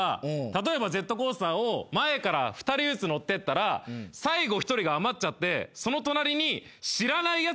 例えばジェットコースターを前から２人ずつ乗ってったら最後１人が余っちゃってその隣に知らないやつが来ちゃうのよ。